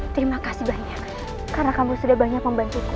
terima kasih banyak karena kamu sudah banyak membantuku